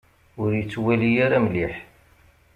Ur yettwali ara mliḥ.